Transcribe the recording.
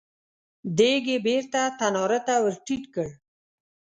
دېګ يې بېرته تناره ته ور ټيټ کړ.